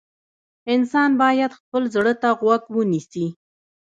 انسان باید خپل زړه ته غوږ ونیسي.